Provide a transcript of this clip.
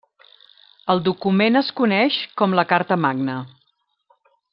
El document es coneix com la Carta Magna.